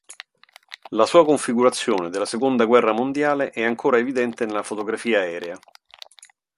La sua configurazione della seconda guerra mondiale è ancora evidente nella fotografia aerea.